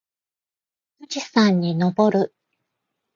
富士山にのぼる。